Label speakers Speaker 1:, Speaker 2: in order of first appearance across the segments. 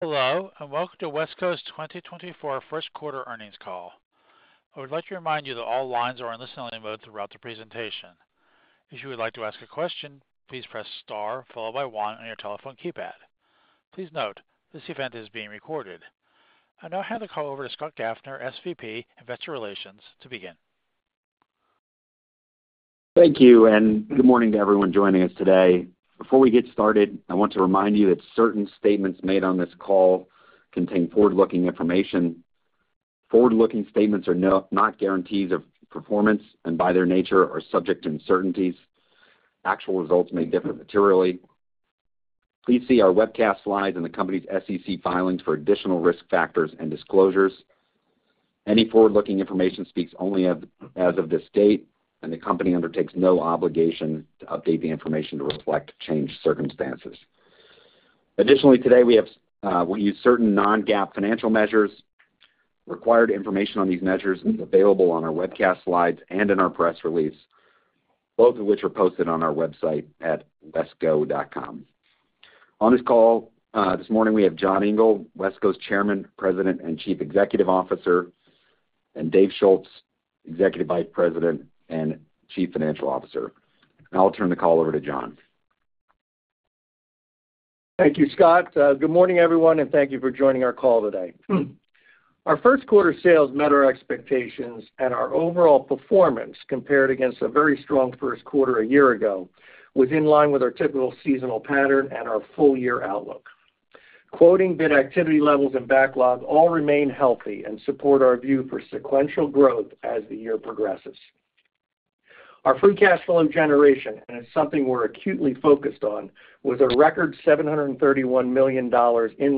Speaker 1: Hello and welcome to WESCO's 2024 first quarter earnings call. I would like to remind you that all lines are in listening mode throughout the presentation. If you would like to ask a question, please press star followed by one on your telephone keypad. Please note, this event is being recorded. I now hand the call over to Scott Gaffner, SVP, Investor Relations. To begin.
Speaker 2: Thank you, and good morning to everyone joining us today. Before we get started, I want to remind you that certain statements made on this call contain forward-looking information. Forward-looking statements are not guarantees of performance, and by their nature, are subject to uncertainties. Actual results may differ materially. Please see our webcast slides and the company's SEC filings for additional risk factors and disclosures. Any forward-looking information speaks only as of this date, and the company undertakes no obligation to update the information to reflect changed circumstances. Additionally, today we use certain non-GAAP financial measures. Required information on these measures is available on our webcast slides and in our press release, both of which are posted on our website at wesco.com. On this call, this morning, we have John Engel, WESCO's Chairman, President, and Chief Executive Officer, and Dave Schulz, Executive Vice President and Chief Financial Officer. Now I'll turn the call over to John.
Speaker 3: Thank you, Scott. Good morning, everyone, and thank you for joining our call today. Our first quarter sales met our expectations, and our overall performance compared against a very strong first quarter a year ago was in line with our typical seasonal pattern and our full-year outlook. Quoting, bid activity levels, and backlog all remain healthy and support our view for sequential growth as the year progresses. Our free cash flow generation, and it's something we're acutely focused on, was a record $731 million in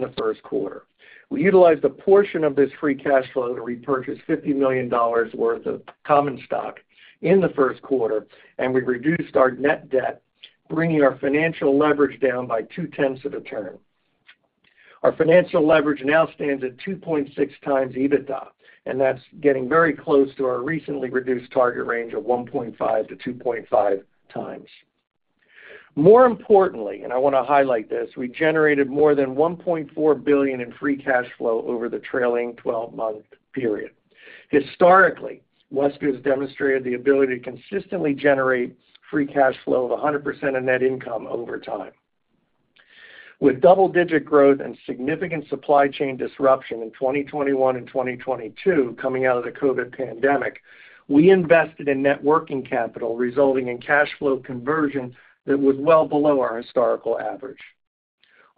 Speaker 3: the first quarter. We utilized a portion of this free cash flow to repurchase $50 million worth of common stock in the first quarter, and we reduced our net debt, bringing our financial leverage down by 2/10 of a turn. Our financial leverage now stands at 2.6 times EBITDA, and that's getting very close to our recently reduced target range of 1.5-2.5 times. More importantly, and I want to highlight this, we generated more than $1.4 billion in free cash flow over the trailing 12-month period. Historically, WESCO has demonstrated the ability to consistently generate free cash flow of 100% of net income over time. With double-digit growth and significant supply chain disruption in 2021 and 2022 coming out of the COVID pandemic, we invested in net working capital, resulting in cash flow conversion that was well below our historical average.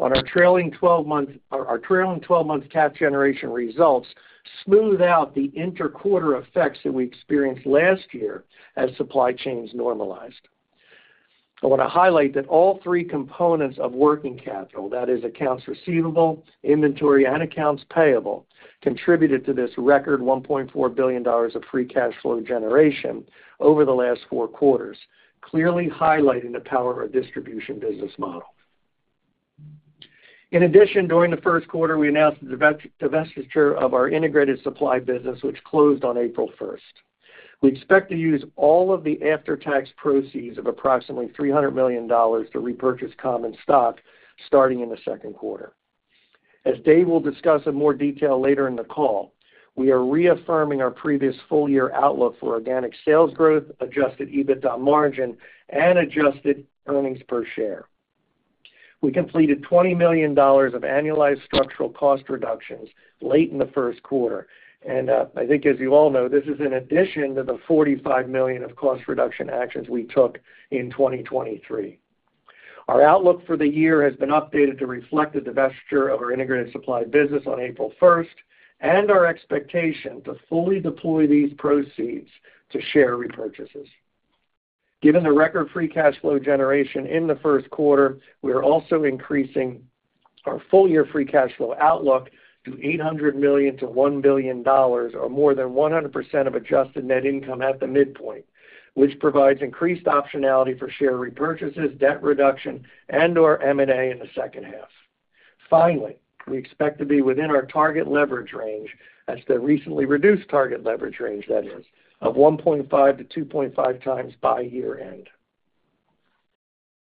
Speaker 3: On our trailing 12-month cash generation results smooth out the interquarter effects that we experienced last year as supply chains normalized. I want to highlight that all three components of working capital, that is, accounts receivable, inventory, and accounts payable, contributed to this record $1.4 billion of free cash flow generation over the last four quarters, clearly highlighting the power of a distribution business model. In addition, during the first quarter, we announced the divestiture of our Integrated Supply business, which closed on April 1st. We expect to use all of the after-tax proceeds of approximately $300 million to repurchase common stock starting in the second quarter. As Dave will discuss in more detail later in the call, we are reaffirming our previous full-year outlook for organic sales growth, adjusted EBITDA margin, and adjusted earnings per share. We completed $20 million of annualized structural cost reductions late in the first quarter, and, I think as you all know, this is in addition to the $45 million of cost reduction actions we took in 2023. Our outlook for the year has been updated to reflect the divestiture of our Integrated Supply business on April 1st and our expectation to fully deploy these proceeds to share repurchases. Given the record free cash flow generation in the first quarter, we are also increasing our full-year free cash flow outlook to $800 million-$1 billion, or more than 100% of adjusted net income at the midpoint, which provides increased optionality for share repurchases, debt reduction, and/or M&A in the second half. Finally, we expect to be within our target leverage range as to a recently reduced target leverage range, that is, of 1.5-2.5 times by year-end.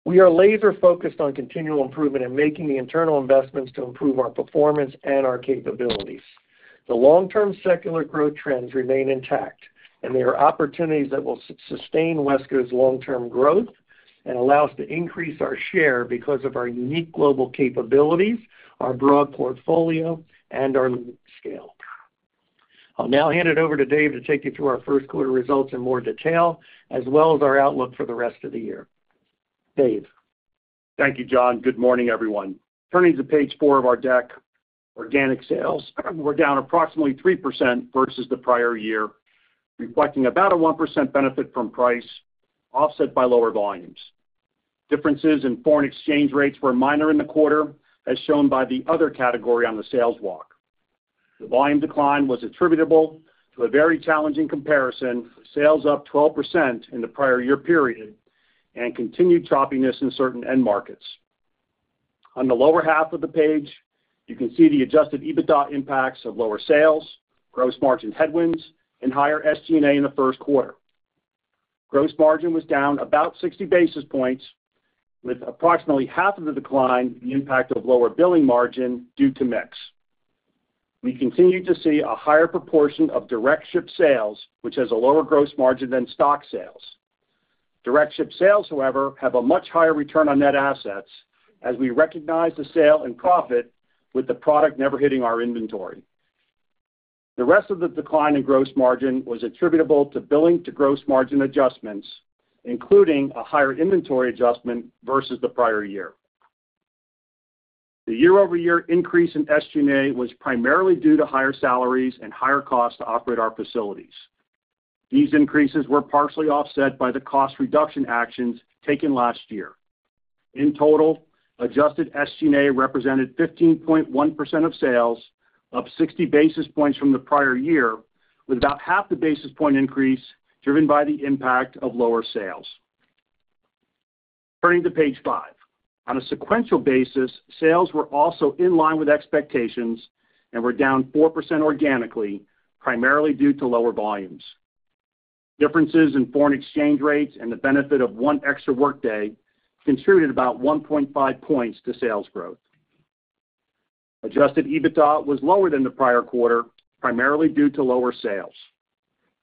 Speaker 3: We are laser-focused on continual improvement and making the internal investments to improve our performance and our capabilities. The long-term secular growth trends remain intact, and they are opportunities that will sustain WESCO's long-term growth and allow us to increase our share because of our unique global capabilities, our broad portfolio, and our scale. I'll now hand it over to Dave to take you through our first quarter results in more detail, as well as our outlook for the rest of the year. Dave.
Speaker 4: Thank you, John. Good morning, everyone. Turning to page four of our deck, organic sales, we're down approximately 3% versus the prior year, reflecting about a 1% benefit from price offset by lower volumes. Differences in foreign exchange rates were minor in the quarter, as shown by the other category on the sales walk. The volume decline was attributable to a very challenging comparison, sales up 12% in the prior year period, and continued choppiness in certain end markets. On the lower half of the page, you can see the adjusted EBITDA impacts of lower sales, gross margin headwinds, and higher SG&A in the first quarter. Gross margin was down about 60 basis points, with approximately half of the decline the impact of lower billing margin due to mix. We continued to see a higher proportion of direct ship sales, which has a lower gross margin than stock sales. Direct ship sales, however, have a much higher return on net assets, as we recognized the sale and profit with the product never hitting our inventory. The rest of the decline in gross margin was attributable to billing-to-gross margin adjustments, including a higher inventory adjustment versus the prior year. The year-over-year increase in SG&A was primarily due to higher salaries and higher costs to operate our facilities. These increases were partially offset by the cost reduction actions taken last year. In total, adjusted SG&A represented 15.1% of sales, up 60 basis points from the prior year, with about half the basis point increase driven by the impact of lower sales. Turning to page five, on a sequential basis, sales were also in line with expectations and were down 4% organically, primarily due to lower volumes. Differences in foreign exchange rates and the benefit of one extra workday contributed about 1.5 points to sales growth. Adjusted EBITDA was lower than the prior quarter, primarily due to lower sales.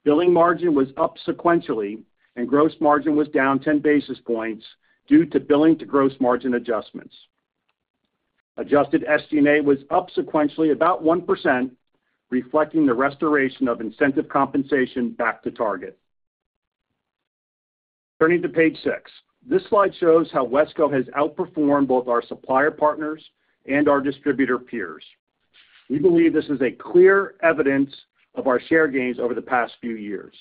Speaker 4: Billing margin was up sequentially, and gross margin was down 10 basis points due to billing-to-gross margin adjustments. Adjusted SG&A was up sequentially about 1%, reflecting the restoration of incentive compensation back to target. Turning to page six, this slide shows how WESCO has outperformed both our supplier partners and our distributor peers. We believe this is a clear evidence of our share gains over the past few years.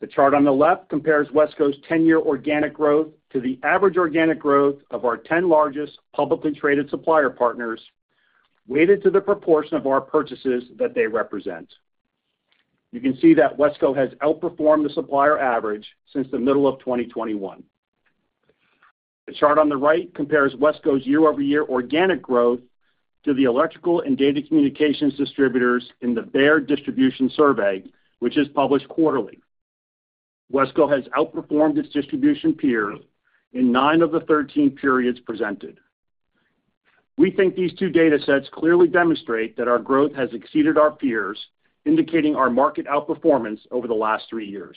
Speaker 4: The chart on the left compares WESCO's 10-year organic growth to the average organic growth of our 10 largest publicly traded supplier partners, weighted to the proportion of our purchases that they represent. You can see that WESCO has outperformed the supplier average since the middle of 2021. The chart on the right compares WESCO's year-over-year organic growth to the electrical and data communications distributors in the Baird Distribution Survey, which is published quarterly. WESCO has outperformed its distribution peers in 9 of the 13 periods presented. We think these two data sets clearly demonstrate that our growth has exceeded our peers, indicating our market outperformance over the last three years.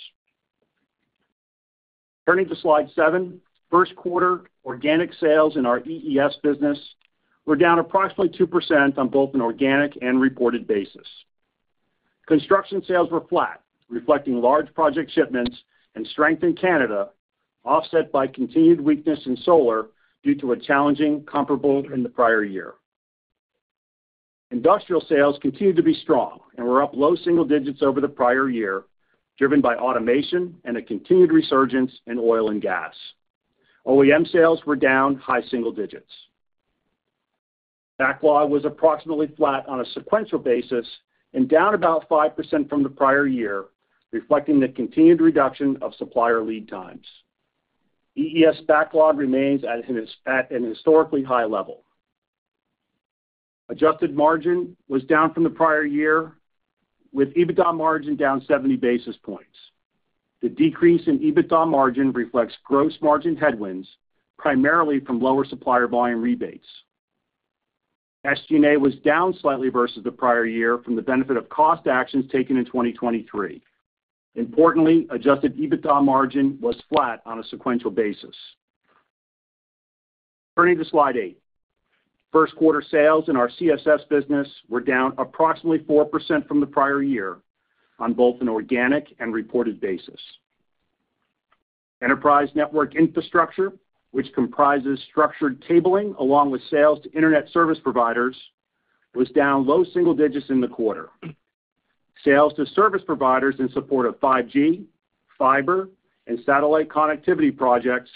Speaker 4: Turning to slide seven, first quarter organic sales in our EES business were down approximately 2% on both an organic and reported basis. Construction sales were flat, reflecting large project shipments and strength in Canada, offset by continued weakness in solar due to a challenging comparable in the prior year. Industrial sales continued to be strong and were up low single digits over the prior year, driven by automation and a continued resurgence in oil and gas. OEM sales were down high single digits. Backlog was approximately flat on a sequential basis and down about 5% from the prior year, reflecting the continued reduction of supplier lead times. EES backlog remains at an historically high level. Adjusted margin was down from the prior year, with EBITDA margin down 70 basis points. The decrease in EBITDA margin reflects gross margin headwinds, primarily from lower supplier volume rebates. SG&A was down slightly versus the prior year from the benefit of cost actions taken in 2023. Importantly, adjusted EBITDA margin was flat on a sequential basis. Turning to slide eight, first quarter sales in our CSS business were down approximately 4% from the prior year on both an organic and reported basis. Enterprise network infrastructure, which comprises structured cabling along with sales to internet service providers, was down low single digits in the quarter. Sales to service providers in support of 5G, fiber, and satellite connectivity projects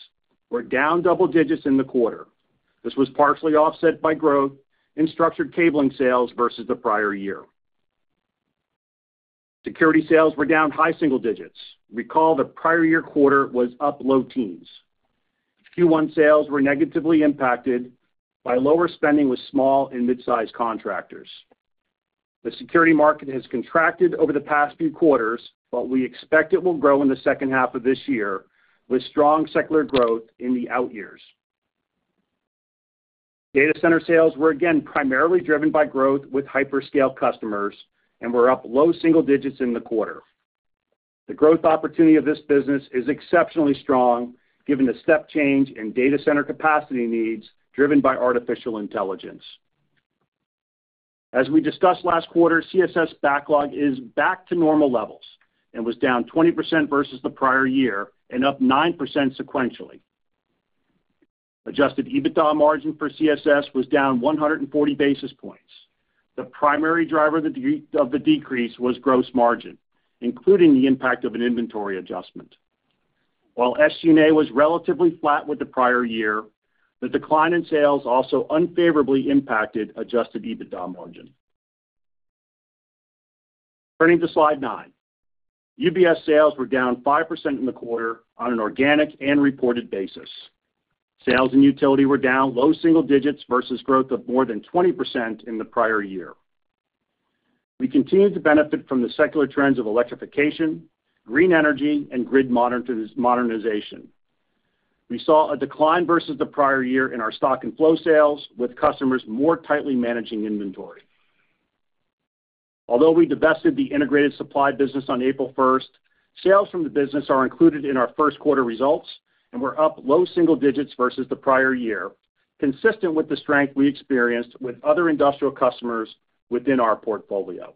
Speaker 4: were down double digits in the quarter. This was partially offset by growth in structured cabling sales versus the prior year. Security sales were down high single digits. Recall, the prior year quarter was up low teens. Q1 sales were negatively impacted by lower spending with small and midsize contractors. The security market has contracted over the past few quarters, but we expect it will grow in the second half of this year with strong secular growth in the out years. Data center sales were again primarily driven by growth with hyperscale customers and were up low single digits in the quarter. The growth opportunity of this business is exceptionally strong given the step change in data center capacity needs driven by artificial intelligence. As we discussed last quarter, CSS backlog is back to normal levels and was down 20% versus the prior year and up 9% sequentially. Adjusted EBITDA margin for CSS was down 140 basis points. The primary driver of the decrease was gross margin, including the impact of an inventory adjustment. While SG&A was relatively flat with the prior year, the decline in sales also unfavorably impacted adjusted EBITDA margin. Turning to slide nine, UBS sales were down 5% in the quarter on an organic and reported basis. Sales in utility were down low single digits versus growth of more than 20% in the prior year. We continued to benefit from the secular trends of electrification, green energy, and grid modernization. We saw a decline versus the prior year in our stock and flow sales, with customers more tightly managing inventory. Although we divested the Integrated Supply business on April 1st, sales from the business are included in our first quarter results and were up low single digits versus the prior year, consistent with the strength we experienced with other industrial customers within our portfolio.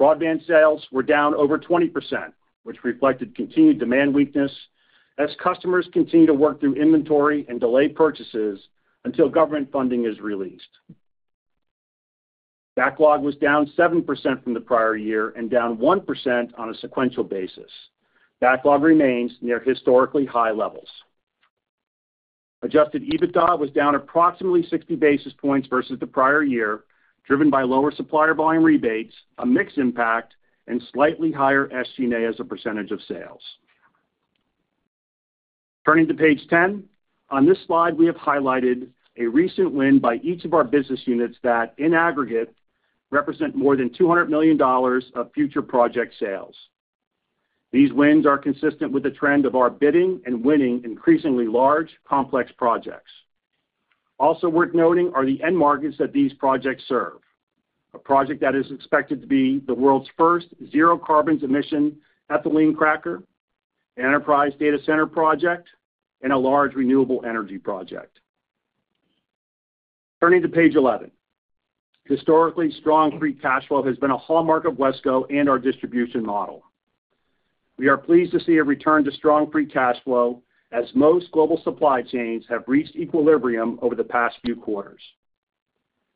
Speaker 4: Broadband sales were down over 20%, which reflected continued demand weakness as customers continue to work through inventory and delay purchases until government funding is released. Backlog was down 7% from the prior year and down 1% on a sequential basis. Backlog remains near historically high levels. Adjusted EBITDA was down approximately 60 basis points versus the prior year, driven by lower supplier volume rebates, a mix impact, and slightly higher SG&A as a percentage of sales. Turning to page 10, on this slide, we have highlighted a recent win by each of our business units that, in aggregate, represent more than $200 million of future project sales. These wins are consistent with the trend of our bidding and winning increasingly large, complex projects. Also worth noting are the end markets that these projects serve: a project that is expected to be the world's first zero-carbon emission ethylene cracker, an enterprise data center project, and a large renewable energy project. Turning to page 11, historically strong free cash flow has been a hallmark of WESCO and our distribution model. We are pleased to see a return to strong free cash flow as most global supply chains have reached equilibrium over the past few quarters.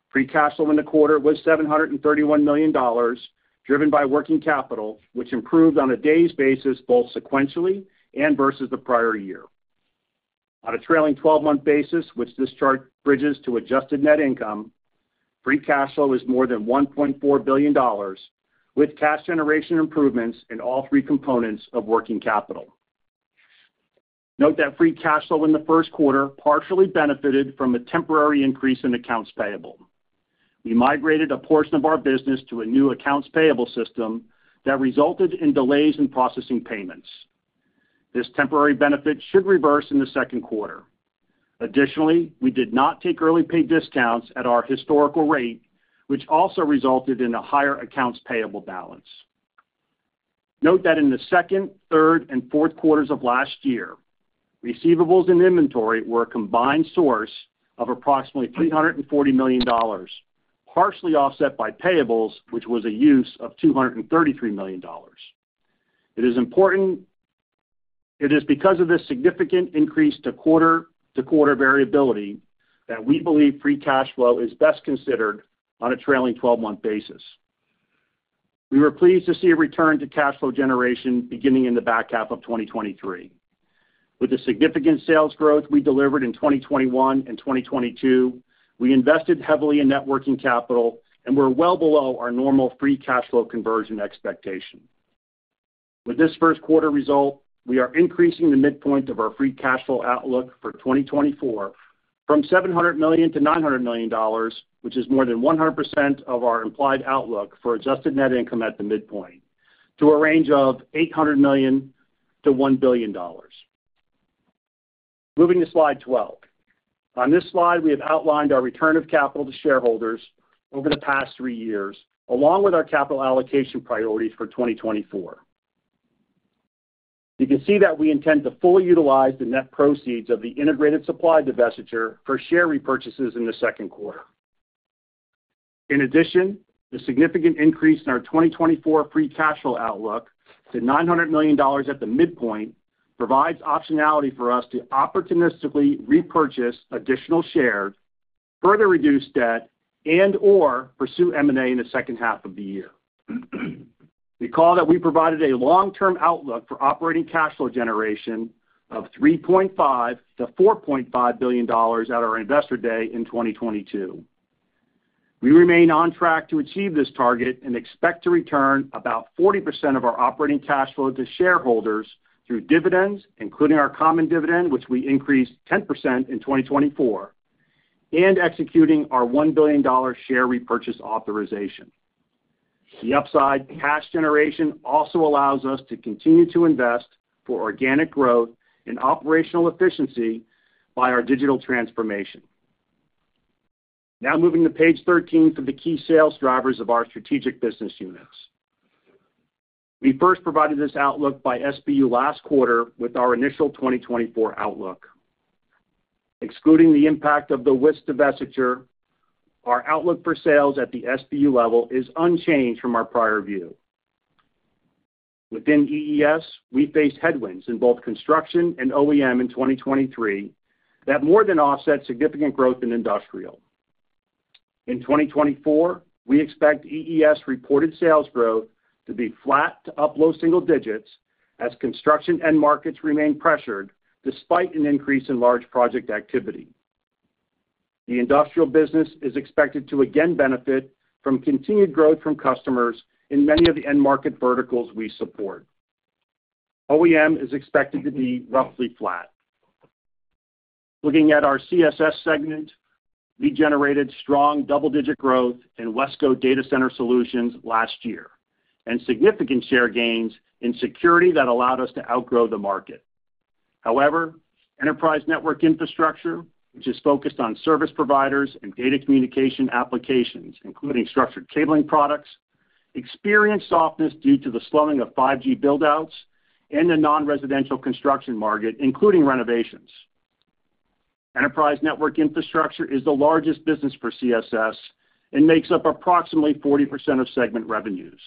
Speaker 4: Free cash flow in the quarter was $731 million, driven by working capital, which improved on a daily basis both sequentially and versus the prior year. On a trailing 12-month basis, which this chart bridges to adjusted net income, free cash flow is more than $1.4 billion, with cash generation improvements in all three components of working capital. Note that free cash flow in the first quarter partially benefited from a temporary increase in accounts payable. We migrated a portion of our business to a new accounts payable system that resulted in delays in processing payments. This temporary benefit should reverse in the second quarter. Additionally, we did not take early pay discounts at our historical rate, which also resulted in a higher accounts payable balance. Note that in the second, third, and fourth quarters of last year, receivables and inventory were a combined source of approximately $340 million, partially offset by payables, which was a use of $233 million. It is important because of this significant increase to quarter-to-quarter variability that we believe free cash flow is best considered on a trailing 12-month basis. We were pleased to see a return to cash flow generation beginning in the back half of 2023. With the significant sales growth we delivered in 2021 and 2022, we invested heavily in net working capital and were well below our normal free cash flow conversion expectation. With this first quarter result, we are increasing the midpoint of our free cash flow outlook for 2024 from $700 million to $900 million, which is more than 100% of our implied outlook for adjusted net income at the midpoint, to a range of $800 million to $1 billion. Moving to slide 12, on this slide, we have outlined our return of capital to shareholders over the past three years, along with our capital allocation priorities for 2024. You can see that we intend to fully utilize the net proceeds of the Integrated Supply divestiture for share repurchases in the second quarter. In addition, the significant increase in our 2024 free cash flow outlook to $900 million at the midpoint provides optionality for us to opportunistically repurchase additional shares, further reduce debt, and/or pursue M&A in the second half of the year. Recall that we provided a long-term outlook for operating cash flow generation of $3.5-$4.5 billion at our investor day in 2022. We remain on track to achieve this target and expect to return about 40% of our operating cash flow to shareholders through dividends, including our common dividend, which we increased 10% in 2024, and executing our $1 billion share repurchase authorization. The upside cash generation also allows us to continue to invest for organic growth and operational efficiency by our digital transformation. Now moving to page 13 for the key sales drivers of our strategic business units. We first provided this outlook by SBU last quarter with our initial 2024 outlook. Excluding the impact of the WIS divestiture, our outlook for sales at the SBU level is unchanged from our prior view. Within EES, we faced headwinds in both construction and OEM in 2023 that more than offset significant growth in industrial. In 2024, we expect EES reported sales growth to be flat to up low single digits as construction end markets remain pressured despite an increase in large project activity. The industrial business is expected to again benefit from continued growth from customers in many of the end market verticals we support. OEM is expected to be roughly flat. Looking at our CSS segment, we generated strong double-digit growth in WESCO data center solutions last year and significant share gains in security that allowed us to outgrow the market. However, enterprise network infrastructure, which is focused on service providers and data communication applications, including structured cabling products, experienced softness due to the slowing of 5G buildouts and the non-residential construction market, including renovations. Enterprise network infrastructure is the largest business for CSS and makes up approximately 40% of segment revenues.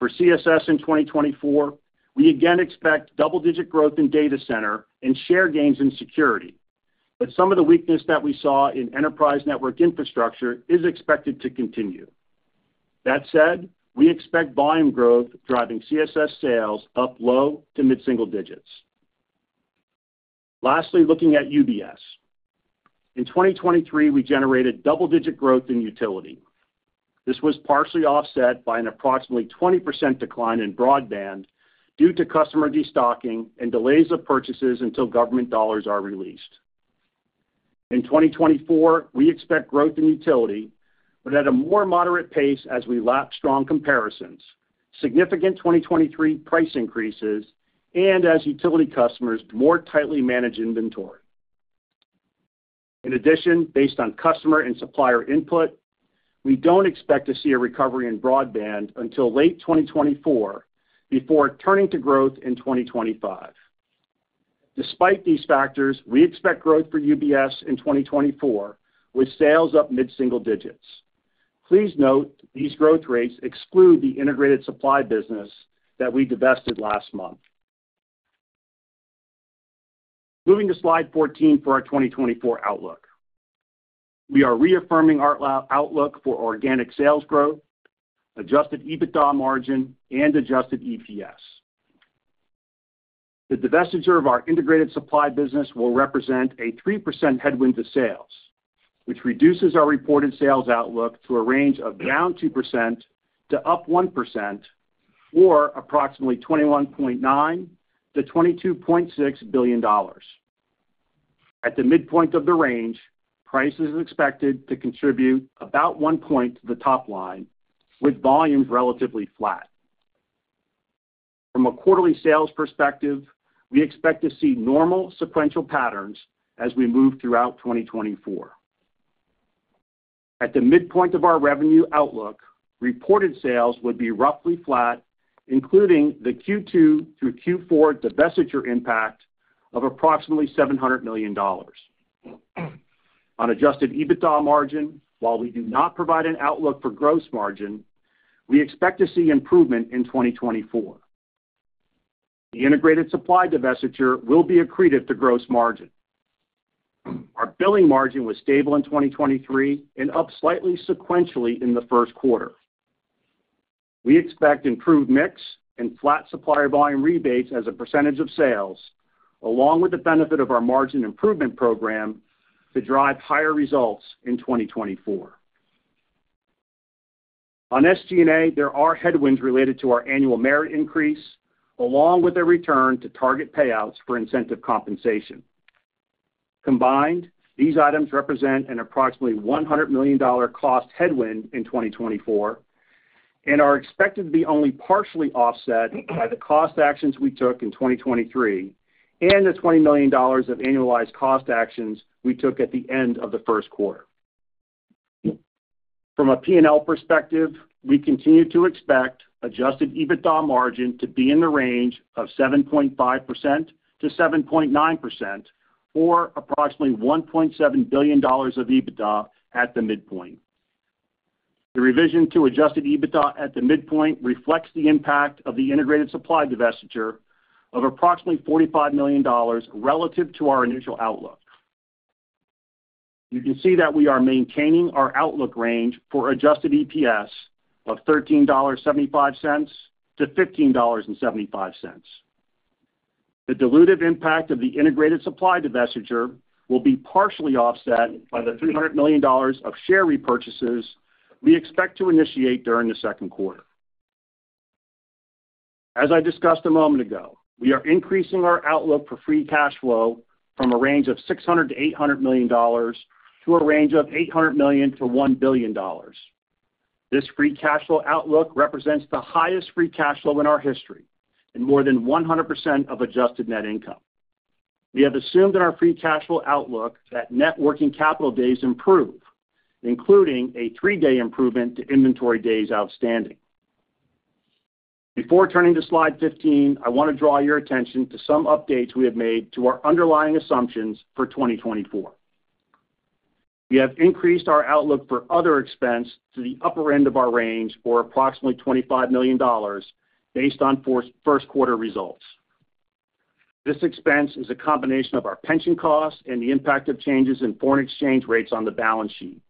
Speaker 4: For CSS in 2024, we again expect double-digit growth in data center and share gains in security, but some of the weakness that we saw in enterprise network infrastructure is expected to continue. That said, we expect volume growth driving CSS sales up low to mid-single digits. Lastly, looking at UBS, in 2023, we generated double-digit growth in utility. This was partially offset by an approximately 20% decline in broadband due to customer destocking and delays of purchases until government dollars are released. In 2024, we expect growth in utility, but at a more moderate pace as we lap strong comparisons, significant 2023 price increases, and as utility customers more tightly manage inventory. In addition, based on customer and supplier input, we don't expect to see a recovery in broadband until late 2024 before turning to growth in 2025. Despite these factors, we expect growth for UBS in 2024 with sales up mid-single digits. Please note these growth rates exclude the Integrated Supply business that we divested last month. Moving to slide 14 for our 2024 outlook, we are reaffirming our outlook for organic sales growth, adjusted EBITDA margin, and adjusted EPS. The divestiture of our Integrated Supply business will represent a 3% headwind to sales, which reduces our reported sales outlook to a range of -2% to +1% or approximately $21.9-$22.6 billion. At the midpoint of the range, price is expected to contribute about one point to the top line with volumes relatively flat. From a quarterly sales perspective, we expect to see normal sequential patterns as we move throughout 2024. At the midpoint of our revenue outlook, reported sales would be roughly flat, including the Q2 through Q4 divestiture impact of approximately $700 million. On adjusted EBITDA margin, while we do not provide an outlook for gross margin, we expect to see improvement in 2024. The Integrated Supply divestiture will be accretive to gross margin. Our billing margin was stable in 2023 and up slightly sequentially in the first quarter. We expect improved mix and flat supplier volume rebates as a percentage of sales, along with the benefit of our margin improvement program, to drive higher results in 2024. On SG&A, there are headwinds related to our annual merit increase, along with a return to target payouts for incentive compensation. Combined, these items represent an approximately $100 million cost headwind in 2024 and are expected to be only partially offset by the cost actions we took in 2023 and the $20 million of annualized cost actions we took at the end of the first quarter. From a P&L perspective, we continue to expect adjusted EBITDA margin to be in the range of 7.5%-7.9% or approximately $1.7 billion of EBITDA at the midpoint. The revision to adjusted EBITDA at the midpoint reflects the impact of the Integrated Supply divestiture of approximately $45 million relative to our initial outlook. You can see that we are maintaining our outlook range for adjusted EPS of $13.75-$15.75. The dilutive impact of the Integrated Supply divestiture will be partially offset by the $300 million of share repurchases we expect to initiate during the second quarter. As I discussed a moment ago, we are increasing our outlook for free cash flow from a range of $600 million-$800 million to a range of $800 million-$1 billion. This free cash flow outlook represents the highest free cash flow in our history and more than 100% of adjusted net income. We have assumed in our free cash flow outlook that net working capital days improve, including a three-day improvement to inventory days outstanding. Before turning to slide 15, I want to draw your attention to some updates we have made to our underlying assumptions for 2024. We have increased our outlook for other expense to the upper end of our range or approximately $25 million based on first quarter results. This expense is a combination of our pension costs and the impact of changes in foreign exchange rates on the balance sheet.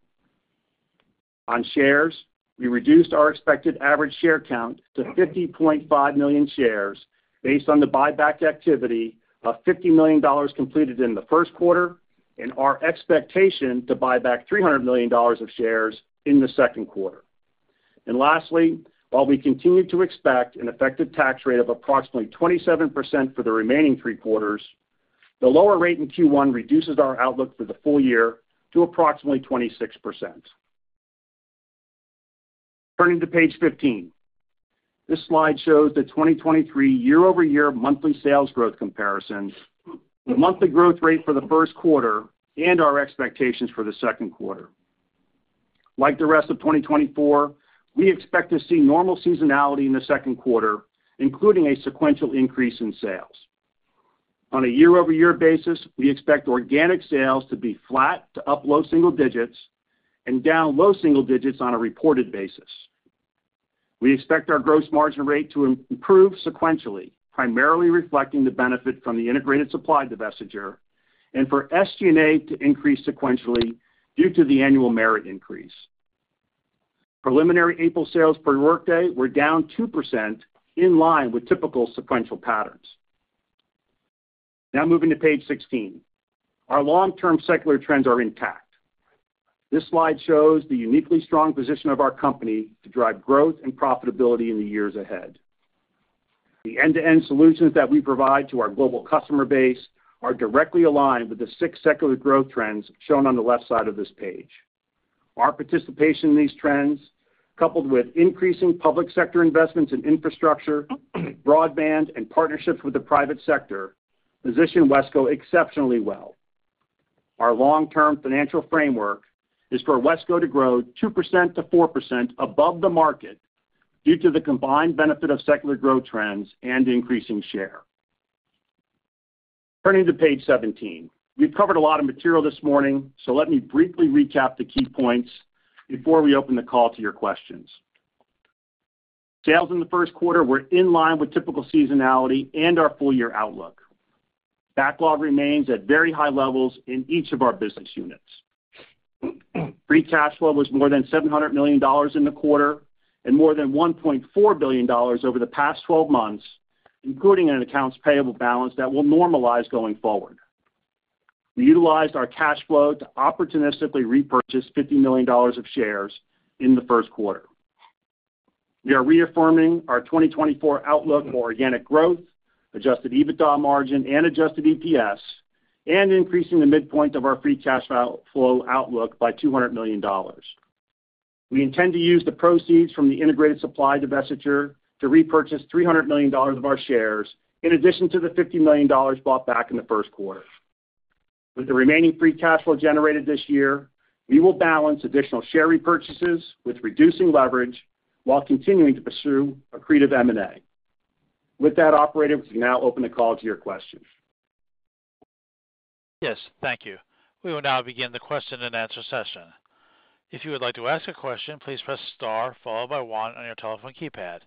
Speaker 4: On shares, we reduced our expected average share count to 50.5 million shares based on the buyback activity of $50 million completed in the first quarter and our expectation to buy back $300 million of shares in the second quarter. Lastly, while we continue to expect an effective tax rate of approximately 27% for the remaining three quarters, the lower rate in Q1 reduces our outlook for the full year to approximately 26%. Turning to page 15, this slide shows the 2023 year-over-year monthly sales growth comparison, the monthly growth rate for the first quarter, and our expectations for the second quarter. Like the rest of 2024, we expect to see normal seasonality in the second quarter, including a sequential increase in sales. On a year-over-year basis, we expect organic sales to be flat to up low single digits and down low single digits on a reported basis. We expect our gross margin rate to improve sequentially, primarily reflecting the benefit from the Integrated Supply divestiture and for SG&A to increase sequentially due to the annual merit increase. Preliminary April sales per workday, we're down 2% in line with typical sequential patterns. Now moving to page 16, our long-term secular trends are intact. This slide shows the uniquely strong position of our company to drive growth and profitability in the years ahead. The end-to-end solutions that we provide to our global customer base are directly aligned with the six secular growth trends shown on the left side of this page. Our participation in these trends, coupled with increasing public sector investments in infrastructure, broadband, and partnerships with the private sector, position WESCO exceptionally well. Our long-term financial framework is for WESCO to grow 2%-4% above the market due to the combined benefit of secular growth trends and increasing share. Turning to page 17, we've covered a lot of material this morning, so let me briefly recap the key points before we open the call to your questions. Sales in the first quarter were in line with typical seasonality and our full-year outlook. Backlog remains at very high levels in each of our business units. Free cash flow was more than $700 million in the quarter and more than $1.4 billion over the past 12 months, including an accounts payable balance that will normalize going forward. We utilized our cash flow to opportunistically repurchase $50 million of shares in the first quarter. We are reaffirming our 2024 outlook for organic growth, Adjusted EBITDA margin, and adjusted EPS, and increasing the midpoint of our free cash flow outlook by $200 million. We intend to use the proceeds from the Integrated Supply divestiture to repurchase $300 million of our shares in addition to the $50 million bought back in the first quarter. With the remaining free cash flow generated this year, we will balance additional share repurchases with reducing leverage while continuing to pursue accretive M&A. With that, operator, we can now open the call to your questions.
Speaker 1: Yes. Thank you. We will now begin the question-and-answer session. If you would like to ask a question, please press star followed by one on your telephone keypad.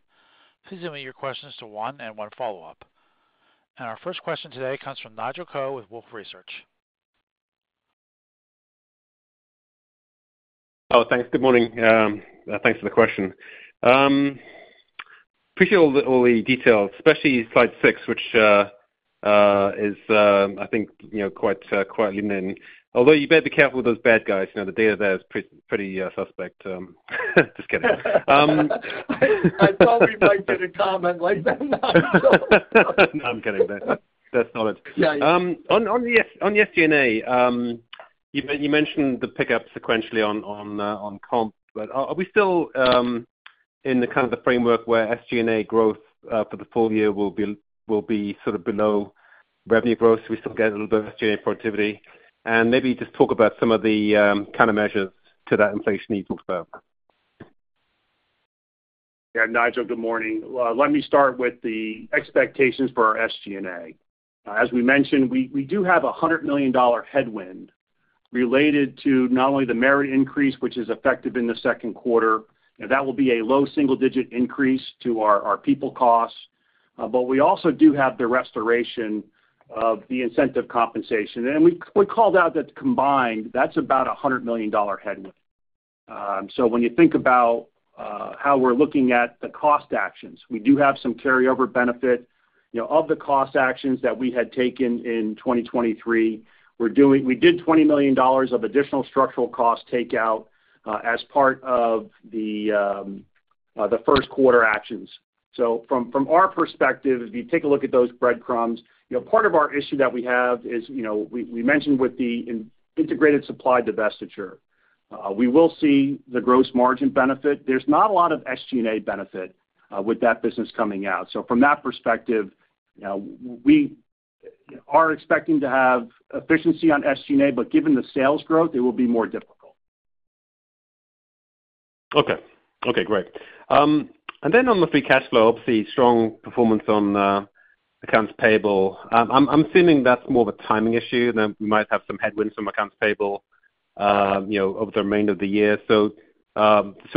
Speaker 1: Please limit your questions to one and one follow-up. And our first question today comes from Nigel Coe with Wolfe Research.
Speaker 5: Oh, thanks. Good morning. Thanks for the question. Appreciate all the details, especially slide six, which is, I think, quite lean in. Although you better be careful with those bad guys. The data there is pretty suspect. Just kidding.
Speaker 3: I probably might get a comment like that now.
Speaker 5: No, I'm kidding. That's not it. On the SG&A, you mentioned the pickup sequentially on comp, but are we still in the kind of framework where SG&A growth for the full year will be sort of below revenue growth? We still get a little bit of SG&A productivity. And maybe just talk about some of the kind of measures to that inflation even further?
Speaker 4: Yeah. Nigel, good morning. Let me start with the expectations for our SG&A. As we mentioned, we do have a $100 million headwind related to not only the merit increase, which is effective in the second quarter. That will be a low single-digit increase to our people costs. But we also do have the restoration of the incentive compensation. We called out that combined, that's about a $100 million headwind. So when you think about how we're looking at the cost actions, we do have some carryover benefit of the cost actions that we had taken in 2023. We did $20 million of additional structural cost takeout as part of the first quarter actions. So from our perspective, if you take a look at those breadcrumbs, part of our issue that we have is we mentioned with the Integrated Supply divestiture, we will see the gross margin benefit. There's not a lot of SG&A benefit with that business coming out. So from that perspective, we are expecting to have efficiency on SG&A, but given the sales growth, it will be more difficult.
Speaker 5: Okay. Okay. Great. And then, on the free cash flow, obviously strong performance on accounts payable. I'm assuming that's more of a timing issue. We might have some headwinds from accounts payable over the remainder of the year. So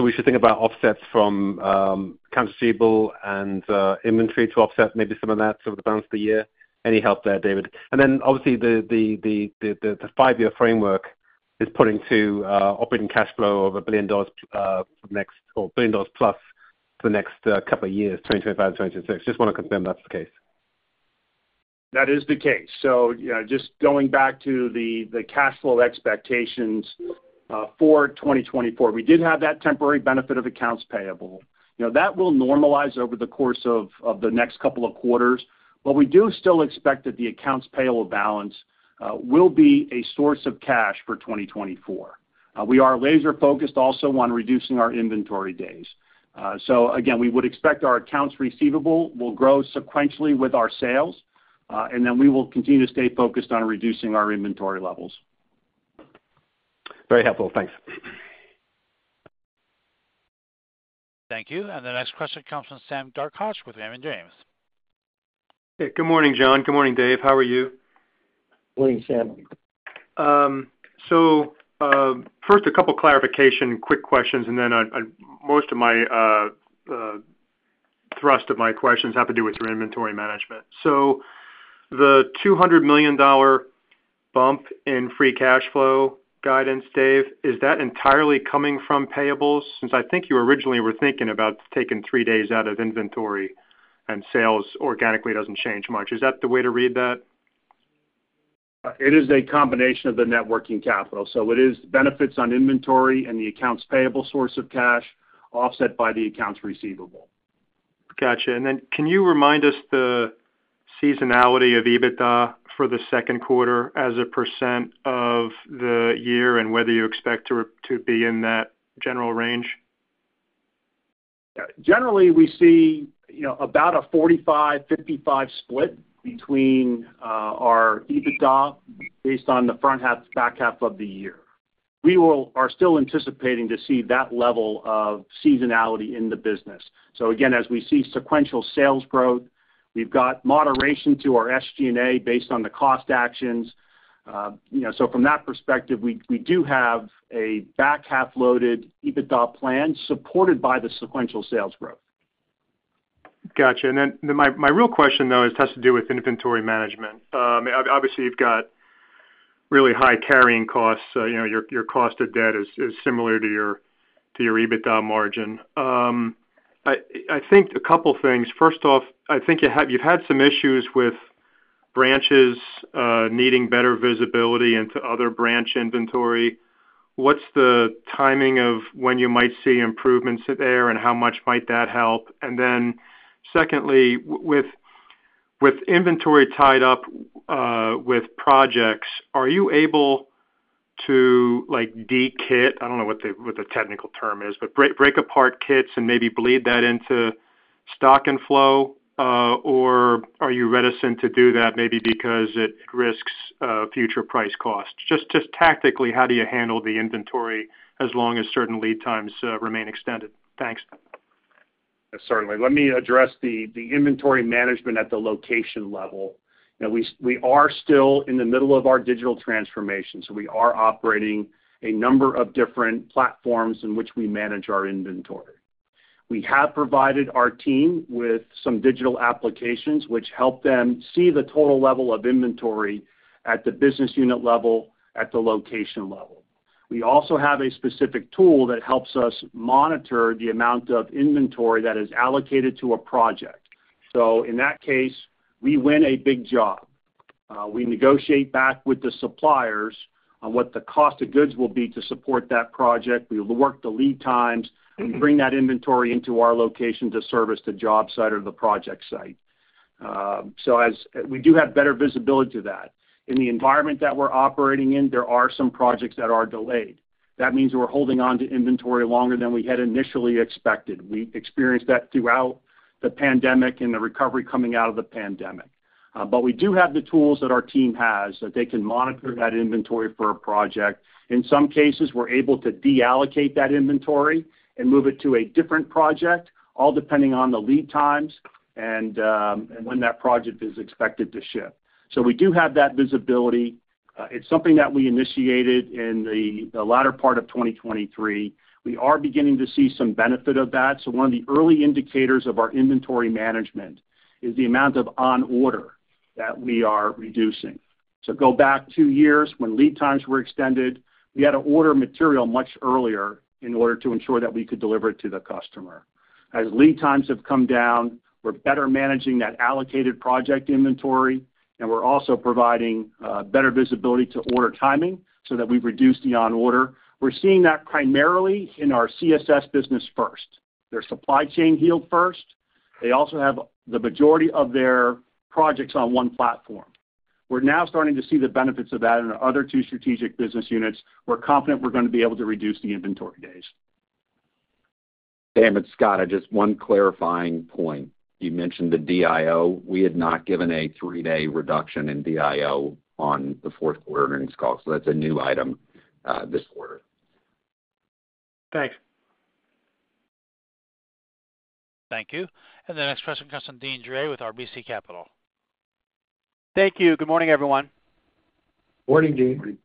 Speaker 5: we should think about offsets from accounts receivable and inventory to offset maybe some of that over the balance of the year. Any help there, David? And then obviously, the five-year framework is putting to operating cash flow of $1 billion or $1 billion plus for the next couple of years, 2025 and 2026. Just want to confirm that's the case.
Speaker 4: That is the case. So just going back to the cash flow expectations for 2024, we did have that temporary benefit of accounts payable. That will normalize over the course of the next couple of quarters. But we do still expect that the accounts payable balance will be a source of cash for 2024. We are laser-focused also on reducing our inventory days. So again, we would expect our accounts receivable will grow sequentially with our sales, and then we will continue to stay focused on reducing our inventory levels.
Speaker 5: Very helpful. Thanks.
Speaker 1: Thank you. And the next question comes from Sam Darkatsh with Raymond James.
Speaker 6: Hey. Good morning, John. Good morning, Dave. How are you?
Speaker 3: Good morning, Sam.
Speaker 6: So first, a couple of clarification, quick questions, and then most of my thrust of my questions have to do with your inventory management. So the $200 million bump in free cash flow guidance, Dave, is that entirely coming from payables? Since I think you originally were thinking about taking three days out of inventory and sales organically doesn't change much. Is that the way to read that?
Speaker 4: It is a combination of the net working capital. So it is benefits on inventory and the accounts payable source of cash offset by the accounts receivable.
Speaker 6: Gotcha. And then can you remind us the seasonality of EBITDA for the second quarter as a percent of the year and whether you expect to be in that general range?
Speaker 4: Generally, we see about a 45-55 split between our EBITDA based on the front half, back half of the year. We are still anticipating to see that level of seasonality in the business. So again, as we see sequential sales growth, we've got moderation to our SG&A based on the cost actions. So from that perspective, we do have a back half loaded EBITDA plan supported by the sequential sales growth.
Speaker 6: Gotcha. And then my real question, though, has to do with inventory management. Obviously, you've got really high carrying costs. Your cost of debt is similar to your EBITDA margin. I think a couple of things. First off, I think you've had some issues with branches needing better visibility into other branch inventory. What's the timing of when you might see improvements there and how much might that help? And then secondly, with inventory tied up with projects, are you able to de-kit? I don't know what the technical term is, but break apart kits and maybe bleed that into stock and flow? Or are you reticent to do that maybe because it risks future price costs? Just tactically, how do you handle the inventory as long as certain lead times remain extended? Thanks.
Speaker 4: Certainly. Let me address the inventory management at the location level. We are still in the middle of our digital transformation. So we are operating a number of different platforms in which we manage our inventory. We have provided our team with some digital applications, which help them see the total level of inventory at the business unit level, at the location level. We also have a specific tool that helps us monitor the amount of inventory that is allocated to a project. So in that case, we win a big job. We negotiate back with the suppliers on what the cost of goods will be to support that project. We work the lead times. We bring that inventory into our location to service the job site or the project site. So we do have better visibility to that. In the environment that we're operating in, there are some projects that are delayed. That means we're holding onto inventory longer than we had initially expected. We experienced that throughout the pandemic and the recovery coming out of the pandemic. But we do have the tools that our team has that they can monitor that inventory for a project. In some cases, we're able to deallocate that inventory and move it to a different project, all depending on the lead times and when that project is expected to ship. So we do have that visibility. It's something that we initiated in the latter part of 2023. We are beginning to see some benefit of that. So one of the early indicators of our inventory management is the amount of on-order that we are reducing. So go back two years when lead times were extended, we had to order material much earlier in order to ensure that we could deliver it to the customer. As lead times have come down, we're better managing that allocated project inventory, and we're also providing better visibility to order timing so that we've reduced the on-order. We're seeing that primarily in our CSS business first. Their supply chain healed first. They also have the majority of their projects on one platform. We're now starting to see the benefits of that in our other two strategic business units. We're confident we're going to be able to reduce the inventory days.
Speaker 2: Sam, it's Scott, just one clarifying point. You mentioned the DIO. We had not given a three-day reduction in DIO on the fourth quarter earnings call. So that's a new item this quarter.
Speaker 6: Thanks.
Speaker 1: Thank you. And the next question comes from Deane Dray with RBC Capital.
Speaker 7: Thank you. Good morning, everyone.
Speaker 4: Morning, Deane.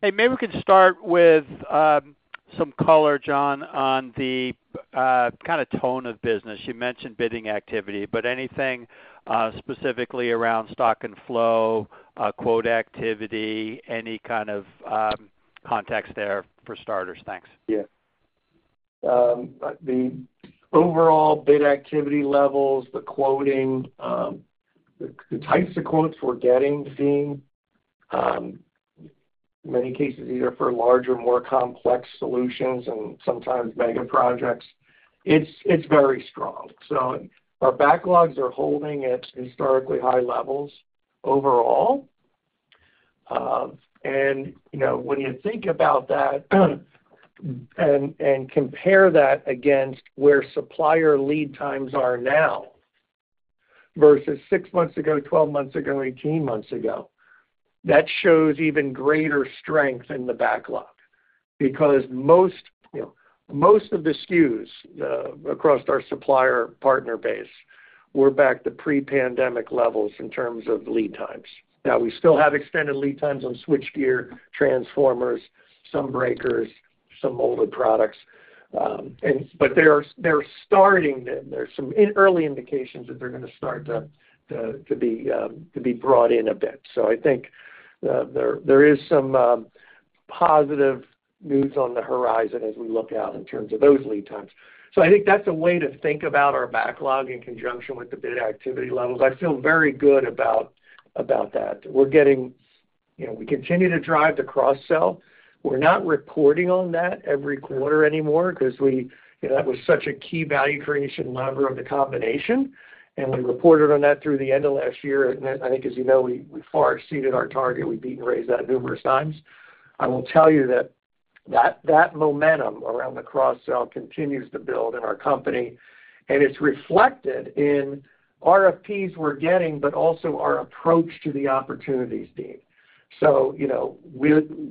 Speaker 7: Hey, maybe we can start with some color, John, on the kind of tone of business. You mentioned bidding activity, but anything specifically around stock and flow, quote activity, any kind of context there for starters? Thanks.
Speaker 3: Yeah. The overall bid activity levels, the quoting, the types of quotes we're getting, seeing in many cases either for larger or more complex solutions and sometimes mega projects, it's very strong. So our backlogs are holding at historically high levels overall. And when you think about that and compare that against where supplier lead times are now versus six months ago, 12 months ago, 18 months ago, that shows even greater strength in the backlog because most of the SKUs across our supplier partner base were back to pre-pandemic levels in terms of lead times. Now, we still have extended lead times on switchgear, transformers, some breakers, some molded products. But they're starting to. There's some early indications that they're going to start to be brought in a bit. So I think there is some positive news on the horizon as we look out in terms of those lead times. So I think that's a way to think about our backlog in conjunction with the bid activity levels. I feel very good about that. We're getting. We continue to drive the cross-sell. We're not reporting on that every quarter anymore because that was such a key value creation lever of the combination. And we reported on that through the end of last year. And I think, as you know, we far exceeded our target. We beat and raised that numerous times. I will tell you that that momentum around the cross-sell continues to build in our company. It's reflected in RFPs we're getting but also our approach to the opportunities, Deane.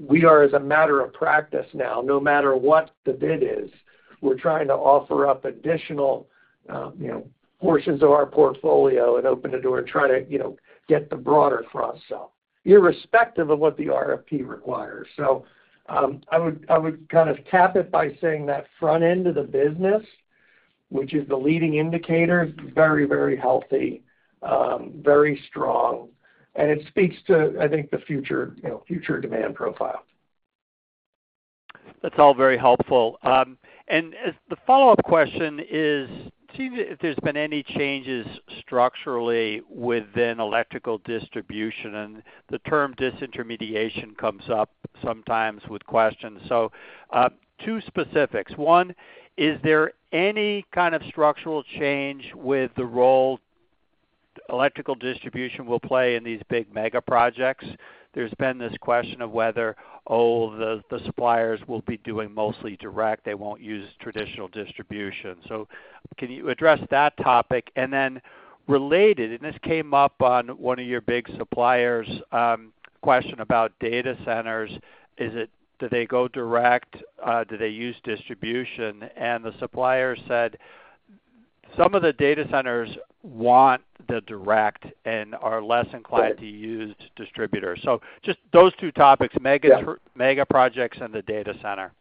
Speaker 3: We are, as a matter of practice now, no matter what the bid is, we're trying to offer up additional portions of our portfolio and open the door and try to get the broader cross-sell irrespective of what the RFP requires. I would kind of cap it by saying that front end of the business, which is the leading indicator, is very, very healthy, very strong. It speaks to, I think, the future demand profile.
Speaker 7: That's all very helpful. The follow-up question is seeing if there's been any changes structurally within electrical distribution. The term disintermediation comes up sometimes with questions. Two specifics. One, is there any kind of structural change with the role electrical distribution will play in these big mega projects? There's been this question of whether, "Oh, the suppliers will be doing mostly direct. They won't use traditional distribution." So can you address that topic? And then related, and this came up on one of your big suppliers' question about data centers, "Do they go direct? Do they use distribution?" And the supplier said, "Some of the data centers want the direct and are less inclined to use distributors." So just those two topics, mega projects and the data center.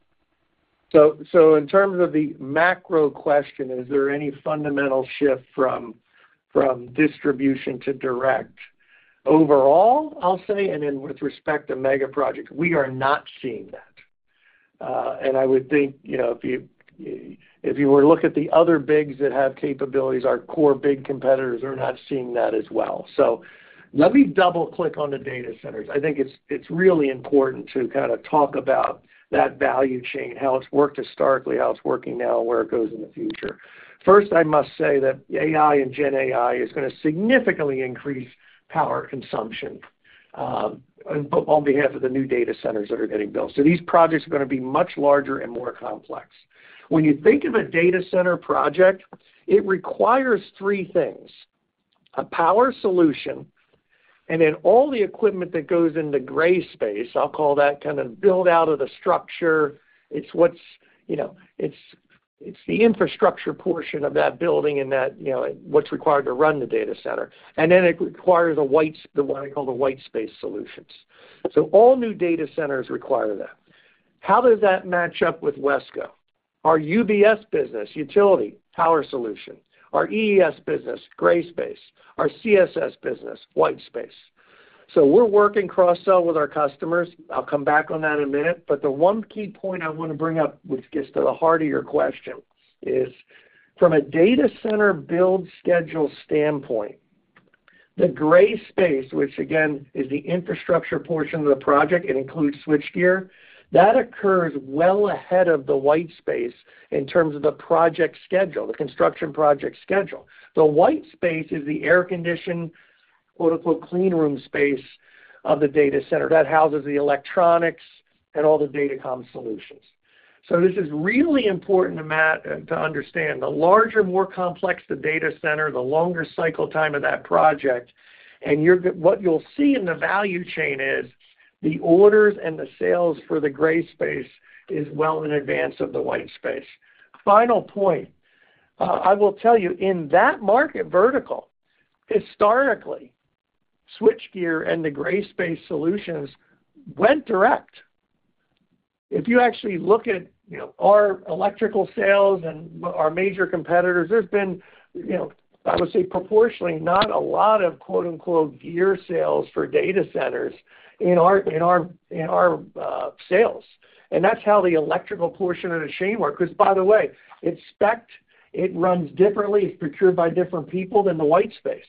Speaker 3: So in terms of the macro question, is there any fundamental shift from distribution to direct overall, I'll say, and then with respect to mega projects, we are not seeing that. And I would think if you were to look at the other bigs that have capabilities, our core big competitors are not seeing that as well. So let me double-click on the data centers. I think it's really important to kind of talk about that value chain, how it's worked historically, how it's working now, and where it goes in the future. First, I must say that AI and Gen AI is going to significantly increase power consumption on behalf of the new data centers that are getting built. So these projects are going to be much larger and more complex. When you think of a data center project, it requires three things: a power solution, and then all the equipment that goes into gray space. I'll call that kind of build out of the structure. It's the infrastructure portion of that building and what's required to run the data center. And then it requires what I call the white space solutions. So all new data centers require that. How does that match up with WESCO? Our UBS business, utility, power solution. Our EES business, gray space. Our CSS business, white space. So we're working cross-sell with our customers. I'll come back on that in a minute. But the one key point I want to bring up, which gets to the heart of your question, is from a data center build schedule standpoint, the gray space, which again is the infrastructure portion of the project, it includes switchgear. That occurs well ahead of the white space in terms of the project schedule, the construction project schedule. The white space is the air-conditioned "clean room" space of the data center. That houses the electronics and all the data comm solutions. So this is really important to understand. The larger, more complex the data center, the longer cycle time of that project. What you'll see in the value chain is the orders and the sales for the gray space is well in advance of the white space. Final point. I will tell you, in that market vertical, historically, switchgear and the gray space solutions went direct. If you actually look at our electrical sales and our major competitors, there's been, I would say, proportionally, not a lot of "gear sales" for data centers in our sales. And that's how the electrical portion of the chain works. Because by the way, expect it runs differently, it's procured by different people than the white space.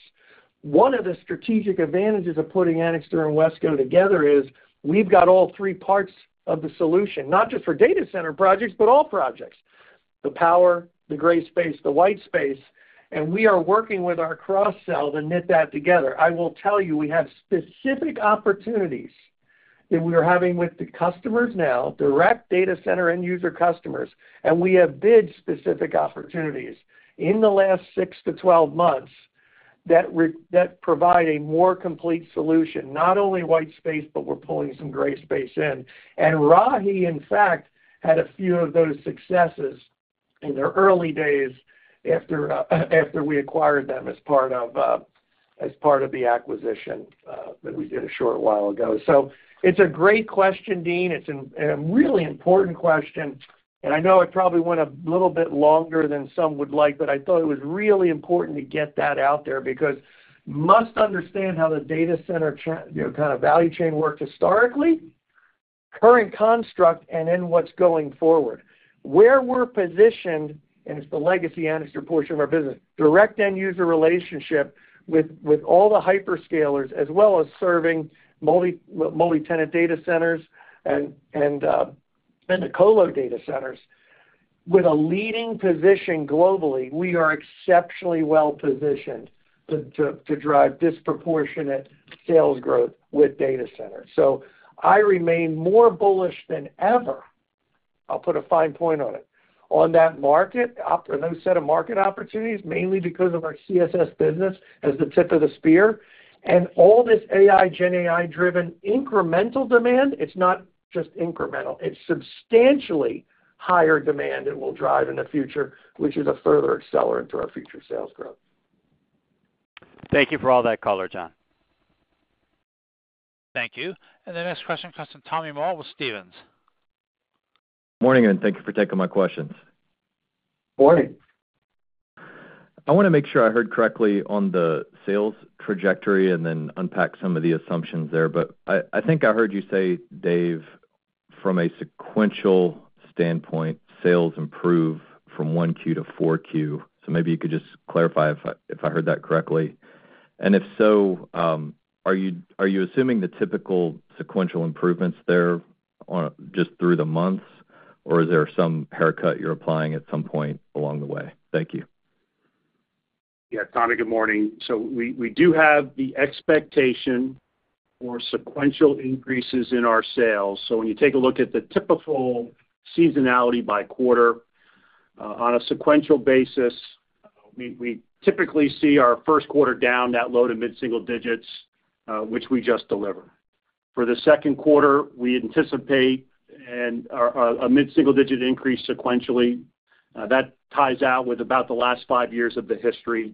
Speaker 3: One of the strategic advantages of putting Anixter and WESCO together is we've got all three parts of the solution, not just for data center projects but all projects: the power, the gray space, the white space. And we are working with our cross-sell to knit that together. I will tell you, we have specific opportunities that we are having with the customers now, direct data center end-user customers. And we have bid-specific opportunities in the last 6-12 months that provide a more complete solution, not only white space, but we're pulling some gray space in. And Rahi, in fact, had a few of those successes in their early days after we acquired them as part of the acquisition that we did a short while ago. So it's a great question, Deane. It's a really important question. And I know it probably went a little bit longer than some would like, but I thought it was really important to get that out there because you must understand how the data center kind of value chain worked historically, current construct, and then what's going forward. Where we're positioned - and it's the legacy Anixter portion of our business - direct end-user relationship with all the hyperscalers as well as serving multi-tenant data centers and the colo data centers with a leading position globally, we are exceptionally well positioned to drive disproportionate sales growth with data centers. So I remain more bullish than ever - I'll put a fine point on it - on that market or those set of market opportunities, mainly because of our CSS business as the tip of the spear. And all this AI, Gen AI-driven incremental demand - it's not just incremental. It's substantially higher demand it will drive in the future, which is a further accelerant to our future sales growth.
Speaker 7: Thank you for all that color, John.
Speaker 1: Thank you. And the next question comes from Tommy Moll with Stephens.
Speaker 8: Morning, and thank you for taking my questions.
Speaker 3: Morning.
Speaker 8: I want to make sure I heard correctly on the sales trajectory and then unpack some of the assumptions there. But I think I heard you say, "Dave, from a sequential standpoint, sales improve from 1Q to 4Q." So maybe you could just clarify if I heard that correctly. And if so, are you assuming the typical sequential improvements there just through the months, or is there some haircut you're applying at some point along the way? Thank you.
Speaker 4: Yeah. Tommy, good morning. So we do have the expectation for sequential increases in our sales. So when you take a look at the typical seasonality by quarter, on a sequential basis, we typically see our first quarter down that low- to mid-single digits, which we just deliver. For the second quarter, we anticipate a mid-single-digit increase sequentially. That ties out with about the last five years of the history.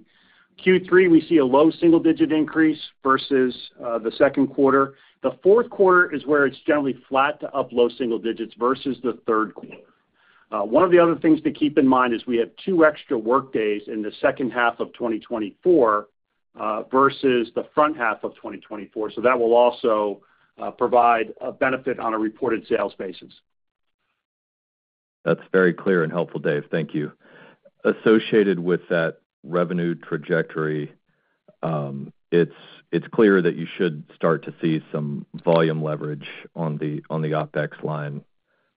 Speaker 4: Q3, we see a low single-digit increase versus the second quarter. The fourth quarter is where it's generally flat to up low single digits versus the third quarter. One of the other things to keep in mind is we have 2 extra workdays in the second half of 2024 versus the front half of 2024. So that will also provide a benefit on a reported sales basis.
Speaker 8: That's very clear and helpful, Dave. Thank you. Associated with that revenue trajectory, it's clear that you should start to see some volume leverage on the OpEx line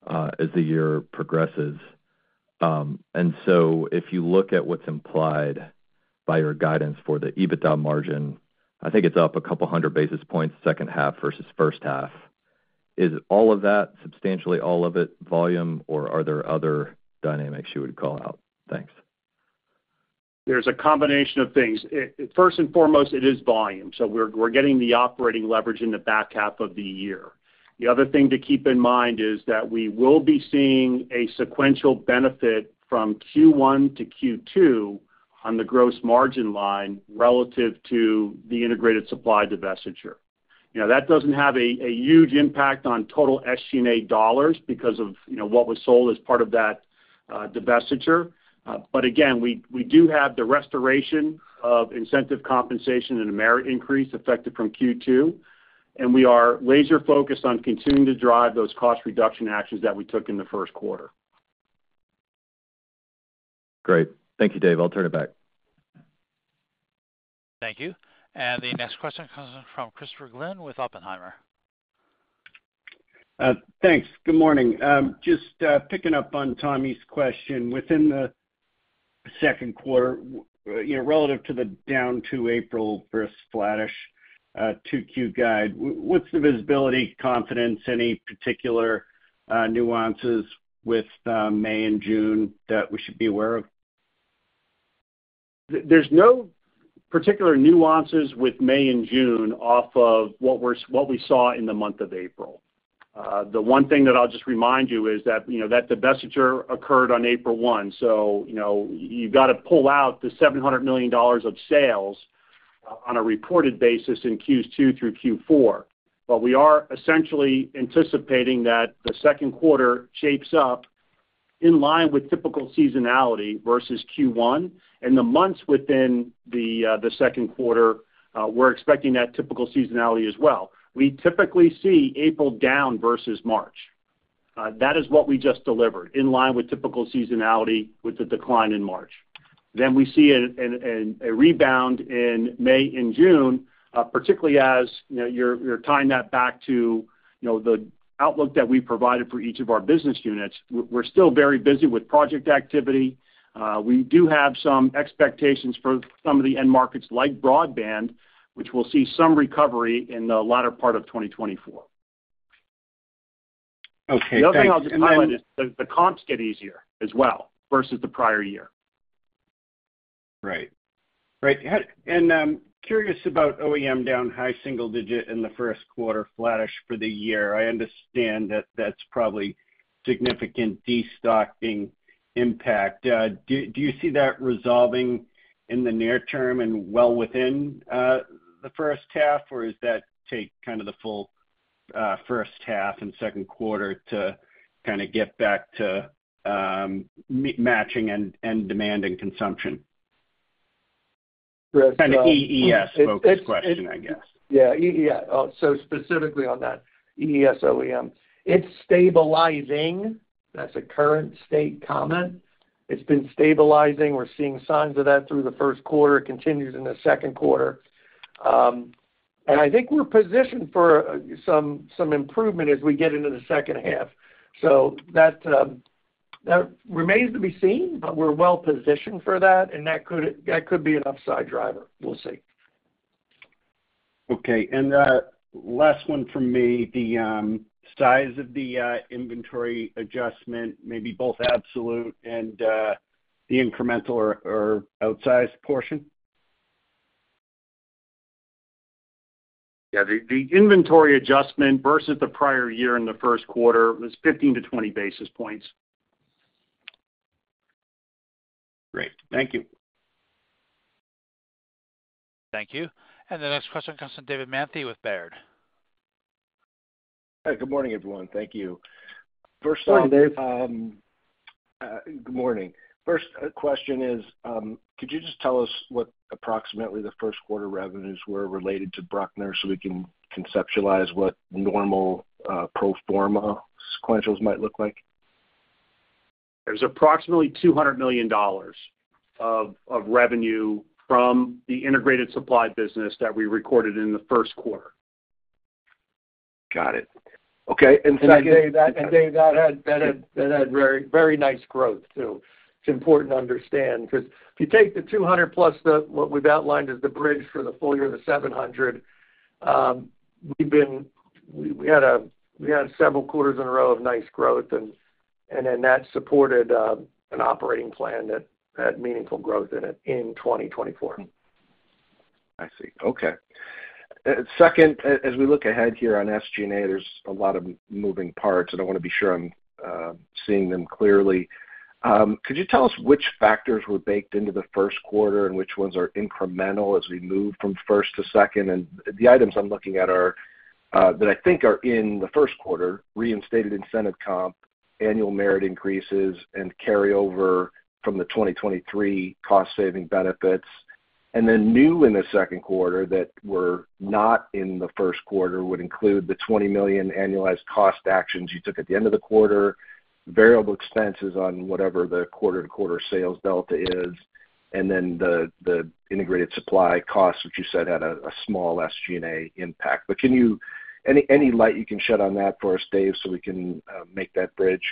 Speaker 8: as the year progresses. And so if you look at what's implied by your guidance for the EBITDA margin, I think it's up 200 basis points second half versus first half. Is all of that substantially all of it volume, or are there other dynamics you would call out? Thanks.
Speaker 4: There's a combination of things. First and foremost, it is volume. So we're getting the operating leverage in the back half of the year. The other thing to keep in mind is that we will be seeing a sequential benefit from Q1 to Q2 on the gross margin line relative to the Integrated Supply divestiture. That doesn't have a huge impact on total SG&A dollars because of what was sold as part of that divestiture. But again, we do have the restoration of incentive compensation and a merit increase effective from Q2. And we are laser-focused on continuing to drive those cost-reduction actions that we took in the first quarter.
Speaker 8: Great. Thank you, Dave. I'll turn it back.
Speaker 1: Thank you. And the next question comes in from Christopher Glynn with Oppenheimer.
Speaker 9: Thanks. Good morning. Just picking up on Tommy's question. Within the second quarter, relative to the down 2% April versus flattish 2Q guide, what's the visibility, confidence, any particular nuances with May and June that we should be aware of?
Speaker 4: There's no particular nuances with May and June off of what we saw in the month of April. The one thing that I'll just remind you is that divestiture occurred on April 1. So you've got to pull out the $700 million of sales on a reported basis in Q2 through Q4. But we are essentially anticipating that the second quarter shapes up in line with typical seasonality versus Q1. The months within the second quarter, we're expecting that typical seasonality as well. We typically see April down versus March. That is what we just delivered in line with typical seasonality with the decline in March. Then we see a rebound in May and June, particularly as you're tying that back to the outlook that we provided for each of our business units. We're still very busy with project activity. We do have some expectations for some of the end markets like broadband, which we'll see some recovery in the latter part of 2024. The other thing I'll just highlight is the comps get easier as well versus the prior year.
Speaker 9: Right. Right. Curious about OEM down high single digit in the first quarter slash for the year. I understand that that's probably significant destocking impact. Do you see that resolving in the near term and well within the first half, or does that take kind of the full first half and second quarter to kind of get back to matching end demand and consumption? Kind of EES-focused question, I guess.
Speaker 3: Yeah. Yeah. So specifically on that EES OEM, it's stabilizing. That's a current state comment. It's been stabilizing. We're seeing signs of that through the first quarter. It continues in the second quarter. And I think we're positioned for some improvement as we get into the second half. So that remains to be seen, but we're well positioned for that. And that could be an upside driver. We'll see.
Speaker 9: Okay. And last one from me, the size of the inventory adjustment, maybe both absolute and the incremental or outsized portion?
Speaker 4: Yeah. The inventory adjustment versus the prior year in the first quarter was 15-20 basis points.
Speaker 9: Great. Thank you.
Speaker 1: Thank you. And the next question comes from David Manthey with Baird.
Speaker 10: Good morning, everyone. Thank you. First thing is good morning. First question is, could you just tell us what approximately the first quarter revenues were related to Bruckner so we can conceptualize what normal pro forma sequentials might look like?
Speaker 4: There's approximately $200 million of revenue from the Integrated Supply business that we recorded in the first quarter.
Speaker 10: Got it. Okay.
Speaker 3: And Dave, that had very nice growth too. It's important to understand because if you take the 200 plus what we've outlined as the bridge for the fully or the 700, we had several quarters in a row of nice growth. And then that supported an operating plan that had meaningful growth in it in 2024.
Speaker 10: I see. Okay. Second, as we look ahead here on SG&A, there's a lot of moving parts. And I want to be sure I'm seeing them clearly. Could you tell us which factors were baked into the first quarter and which ones are incremental as we move from first to second? And the items I'm looking at that I think are in the first quarter: reinstated incentive comp, annual merit increases, and carryover from the 2023 cost-saving benefits. And then new in the second quarter that were not in the first quarter would include the $20 million annualized cost actions you took at the end of the quarter, variable expenses on whatever the quarter-to-quarter sales delta is, and then the Integrated Supply costs, which you said had a small SG&A impact. But any light you can shed on that for us, Dave, so we can make that bridge?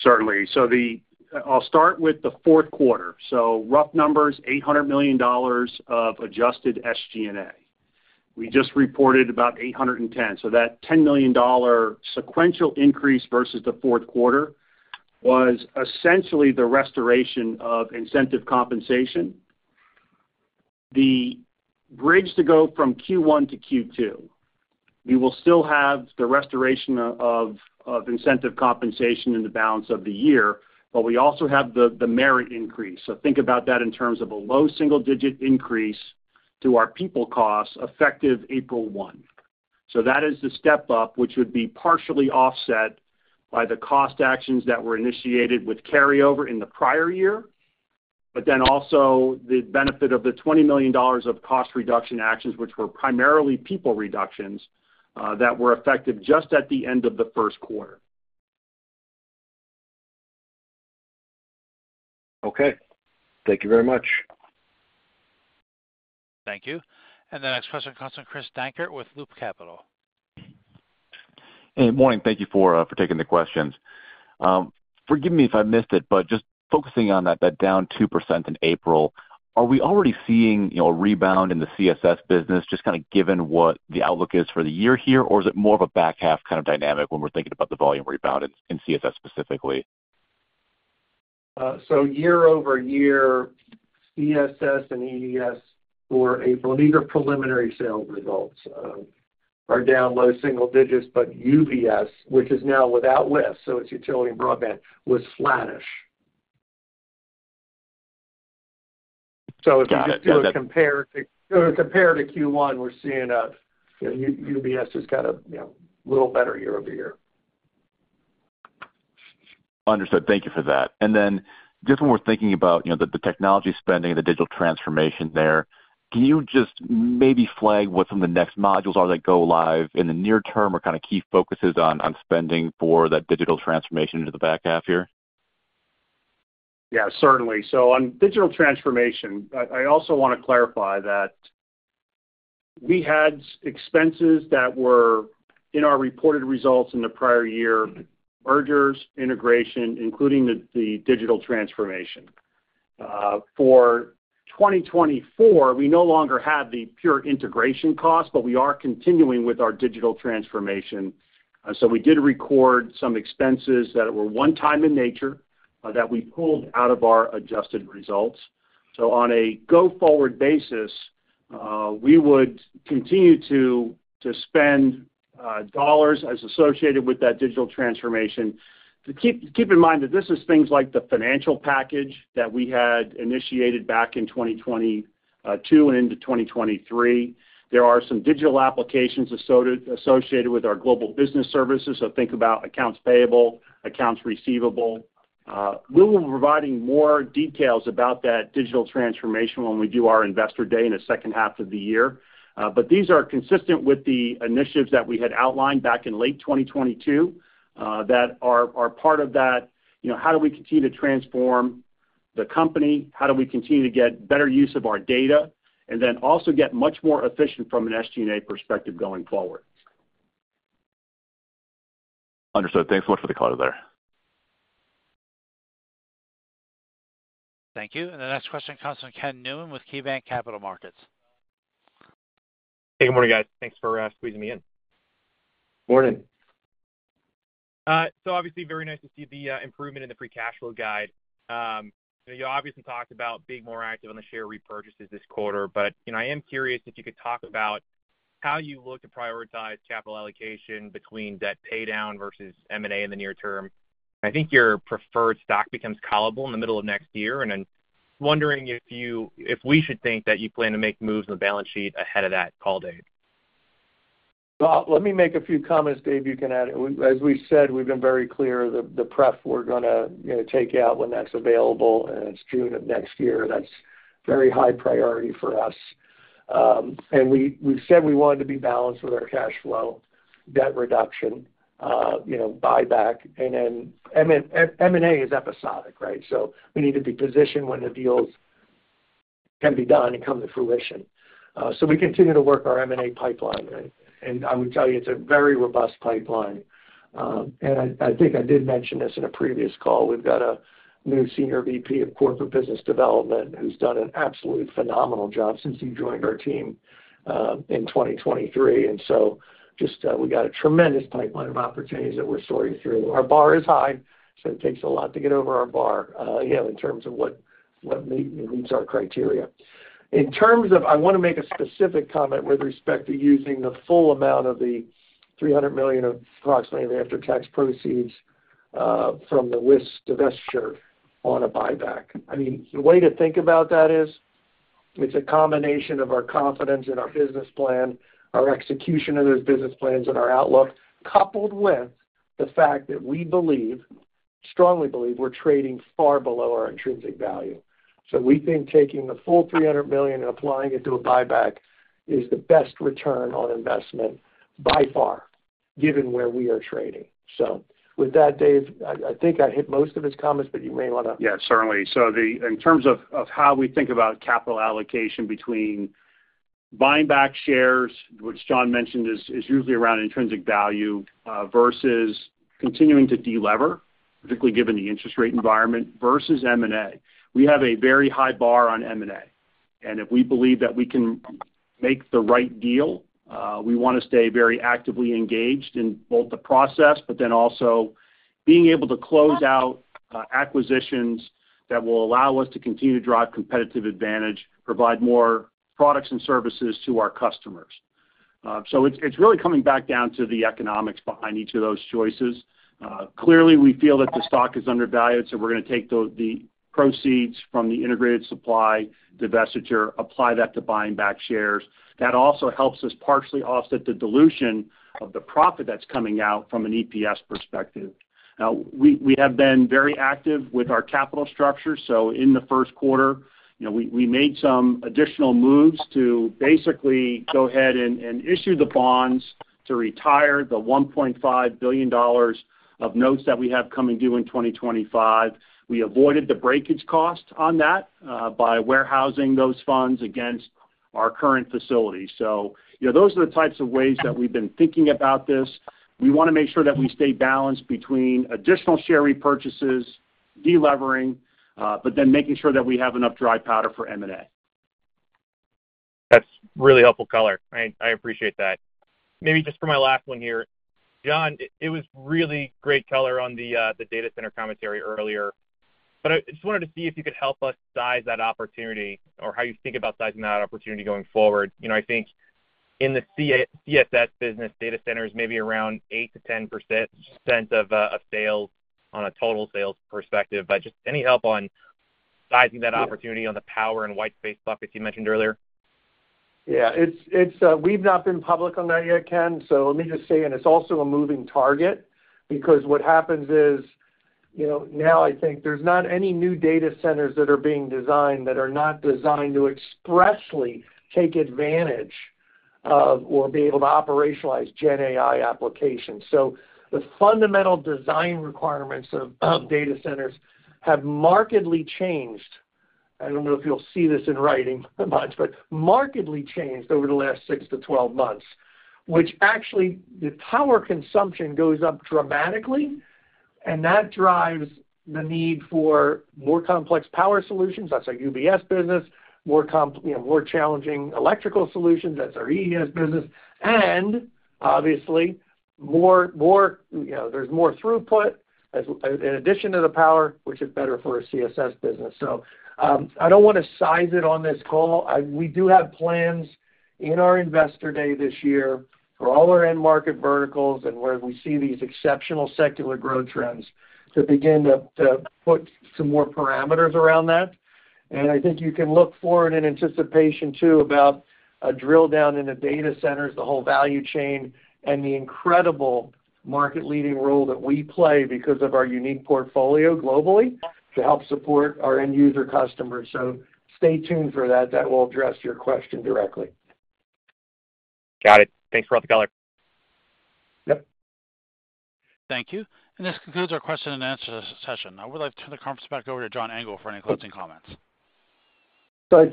Speaker 4: Certainly. I'll start with the fourth quarter. Rough numbers, $800 million of adjusted SG&A. We just reported about $810 million. So that $10 million sequential increase versus the fourth quarter was essentially the restoration of incentive compensation. The bridge to go from Q1 to Q2, we will still have the restoration of incentive compensation in the balance of the year. But we also have the merit increase. So think about that in terms of a low single-digit increase to our people costs effective April 1. So that is the step up, which would be partially offset by the cost actions that were initiated with carryover in the prior year, but then also the benefit of the $20 million of cost-reduction actions, which were primarily people reductions, that were effective just at the end of the first quarter.
Speaker 10: Okay. Thank you very much.
Speaker 1: Thank you. And the next question comes from Chris Dankert with Loop Capital.
Speaker 11: Hey. Morning. Thank you for taking the questions. Forgive me if I missed it, but just focusing on that down 2% in April, are we already seeing a rebound in the CSS business just kind of given what the outlook is for the year here, or is it more of a back half kind of dynamic when we're thinking about the volume rebound in CSS specifically?
Speaker 3: So year-over-year, CSS and EES for April, these are preliminary sales results, are down low single digits. But UBS, which is now without WIS, so it's utility and broadband, was flattish. So if you just do a compare to Q1, we're seeing that UBS is kind of a little better year-over-year.
Speaker 11: Understood. Thank you for that. And then just when we're thinking about the technology spending and the digital transformation there, can you just maybe flag what some of the next modules are that go live in the near term or kind of key focuses on spending for that digital transformation into the back half here?
Speaker 4: Yeah. Certainly. So on digital transformation, I also want to clarify that we had expenses that were in our reported results in the prior year: mergers, integration, including the digital transformation. For 2024, we no longer had the pure integration costs, but we are continuing with our digital transformation. So we did record some expenses that were one-time in nature that we pulled out of our adjusted results. So on a go-forward basis, we would continue to spend dollars as associated with that digital transformation. Keep in mind that this is things like the financial package that we had initiated back in 2022 and into 2023. There are some digital applications associated with our global business services. So think about accounts payable, accounts receivable. We'll be providing more details about that digital transformation when we do our investor day in the second half of the year. But these are consistent with the initiatives that we had outlined back in late 2022 that are part of that: how do we continue to transform the company? How do we continue to get better use of our data and then also get much more efficient from an SG&A perspective going forward.
Speaker 11: Understood. Thanks so much for the call today.
Speaker 1: Thank you. And the next question comes from Ken Newman with KeyBanc Capital Markets.
Speaker 12: Hey. Good morning, guys. Thanks for squeezing me in.
Speaker 3: Morning.
Speaker 12: So obviously, very nice to see the improvement in the free cash flow guide. You obviously talked about being more active on the share repurchases this quarter. But I am curious if you could talk about how you look to prioritize capital allocation between debt paydown versus M&A in the near term. I think your preferred stock becomes callable in the middle of next year. And I'm wondering if we should think that you plan to make moves on the balance sheet ahead of that call date.
Speaker 3: Well, let me make a few comments, Dave. You can add in. As we said, we've been very clear. The pref we're going to take out when that's available, and it's June of next year. That's very high priority for us. And we've said we wanted to be balanced with our cash flow, debt reduction, buyback. And then M&A is episodic, right? So we need to be positioned when the deals can be done and come to fruition. So we continue to work our M&A pipeline. And I would tell you, it's a very robust pipeline. And I think I did mention this in a previous call. We've got a new senior VP of corporate business development who's done an absolutely phenomenal job since he joined our team in 2023. And so we got a tremendous pipeline of opportunities that we're soaring through. Our bar is high. So it takes a lot to get over our bar in terms of what meets our criteria. I want to make a specific comment with respect to using the full amount of the approximately $300 million of the after-tax proceeds from the WIS divestiture on a buyback. I mean, the way to think about that is it's a combination of our confidence in our business plan, our execution of those business plans, and our outlook coupled with the fact that we believe, strongly believe, we're trading far below our intrinsic value. So we think taking the full $300 million and applying it to a buyback is the best return on investment by far given where we are trading. So with that, Dave, I think I hit most of his comments, but you may want to.
Speaker 4: Yeah, certainly. So in terms of how we think about capital allocation between buying back shares, which John mentioned is usually around intrinsic value, versus continuing to de-lever, particularly given the interest rate environment, versus M&A, we have a very high bar on M&A. If we believe that we can make the right deal, we want to stay very actively engaged in both the process but then also being able to close out acquisitions that will allow us to continue to drive competitive advantage, provide more products and services to our customers. It's really coming back down to the economics behind each of those choices. Clearly, we feel that the stock is undervalued. We're going to take the proceeds from the Integrated Supply divestiture, apply that to buying back shares. That also helps us partially offset the dilution of the profit that's coming out from an EPS perspective. Now, we have been very active with our capital structure. In the first quarter, we made some additional moves to basically go ahead and issue the bonds to retire the $1.5 billion of notes that we have coming due in 2025. We avoided the breakage cost on that by warehousing those funds against our current facility. So those are the types of ways that we've been thinking about this. We want to make sure that we stay balanced between additional share repurchases, de-levering, but then making sure that we have enough dry powder for M&A.
Speaker 12: That's really helpful color. I appreciate that. Maybe just for my last one here, John, it was really great color on the data center commentary earlier. But I just wanted to see if you could help us size that opportunity or how you think about sizing that opportunity going forward. I think in the CSS business, data center is maybe around 8%-10% of sales on a total sales perspective. But just any help on sizing that opportunity on the power and white space buckets you mentioned earlier?
Speaker 3: Yeah. We've not been public on that yet, Ken. So let me just say, and it's also a moving target because what happens is now, I think there's not any new data centers that are being designed that are not designed to expressly take advantage of or be able to operationalize GenAI applications. So the fundamental design requirements of data centers have markedly changed, I don't know if you'll see this in writing much, but markedly changed over the last 6-12 months, which actually the power consumption goes up dramatically. And that drives the need for more complex power solutions. That's our UBS business. More challenging electrical solutions. That's our EES business. And obviously, there's more throughput in addition to the power, which is better for a CSS business. So I don't want to size it on this call. We do have plans in our investor day this year for all our end-market verticals and where we see these exceptional secular growth trends to begin to put some more parameters around that. And I think you can look forward in anticipation too about a drill down in the data centers, the whole value chain, and the incredible market-leading role that we play because of our unique portfolio globally to help support our end-user customers. So stay tuned for that. That will address your question directly.
Speaker 12: Got it. Thanks for all the color.
Speaker 3: Yep.
Speaker 1: Thank you. And this concludes our question-and-answer session. I would like to turn the conference back over to John Engel for any closing comments.
Speaker 3: So I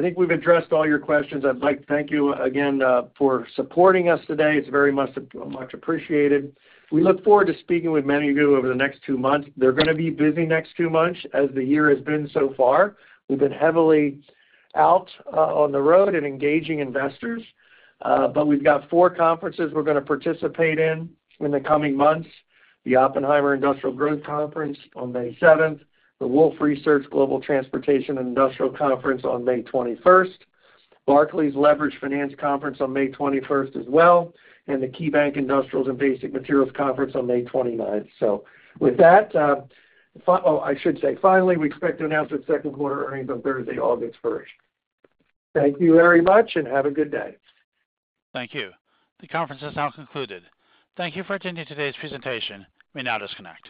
Speaker 3: think we've addressed all your questions. I'd like to thank you again for supporting us today. It's very much appreciated. We look forward to speaking with many of you over the next two months. They're going to be busy next two months as the year has been so far. We've been heavily out on the road and engaging investors. But we've got four conferences we're going to participate in in the coming months: the Oppenheimer Industrial Growth Conference on May 7th, the Wolfe Research Global Transportation and Industrial Conference on May 21st, Barclays Leveraged Finance Conference on May 21st as well, and the KeyBanc Industrials and Basic Materials Conference on May 29th. So with that, I should say, finally, we expect to announce the second quarter earnings on Thursday, August 1st. Thank you very much, and have a good day.
Speaker 1: Thank you. The conference has now concluded. Thank you for attending today's presentation. May now disconnect.